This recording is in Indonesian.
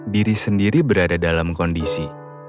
diri sendiri berada dalam kondisi